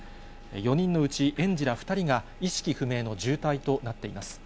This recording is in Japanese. ４人のうち園児ら２人が、意識不明の重体となっています。